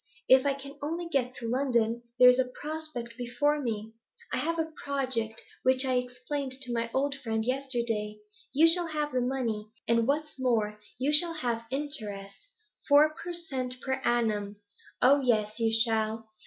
If I can only get to London, there's a prospect before me; I have a project which I explained to my old friend yesterday. You shall have the money, and, what's more, you shall have interest four per cent. per annum. Oh yes, you shall.